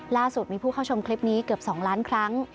ล่าสุดมีผู้เข้าชมคลิปนี้เกือบ๒ล้านครั้ง